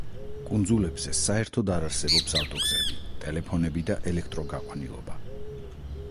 კუნძულებზე საერთოდ არ არსებობს ავტოგზები, ტელეფონები და ელექტროგაყვანილობა.